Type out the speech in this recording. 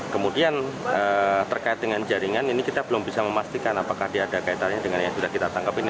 kemudian terkait dengan jaringan ini kita belum bisa memastikan apakah dia ada kaitannya dengan yang sudah kita tangkap ini